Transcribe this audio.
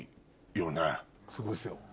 すごいですよ。